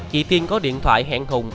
chị tiên có điện thoại hẹn hùng